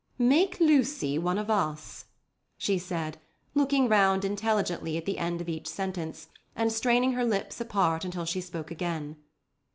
"Make Lucy one of us," she said, looking round intelligently at the end of each sentence, and straining her lips apart until she spoke again.